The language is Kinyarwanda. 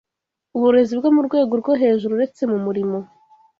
uburezi bwo mu rwego rwo hejuru uretse mu murimo